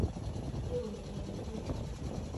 幼名为珠宫。